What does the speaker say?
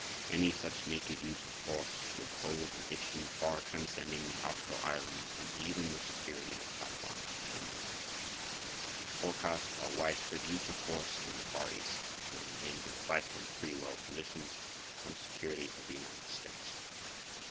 Any such naked use of force would pose an issue far transcending the offshore islands and even the security of Taiwan (Formosa). It would forecast a widespread use of force in the Far East which would endanger vital free world positions, and the security of the United States.